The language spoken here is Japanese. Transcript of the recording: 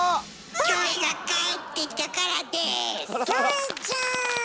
キョエが帰ってきたからです！